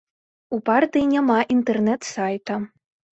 У партыі няма інтэрнэт сайта.